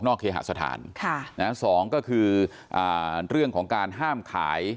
เคหสถานค่ะนะสองก็คือเรื่องของการห้ามขาย